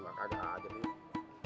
gak ada aja nih